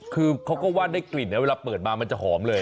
คือเขาก็ว่าได้กลิ่นนะเวลาเปิดมามันจะหอมเลย